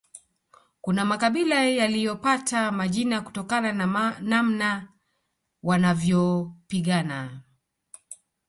Kuna makabila yaliyopata majina kutokana na namna wanavyopigana